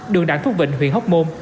đường đảng thuốc vịnh huyện hóc môn